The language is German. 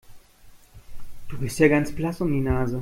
Du bist ja ganz blass um die Nase.